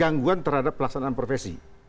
gangguan terhadap pelaksanaan profesi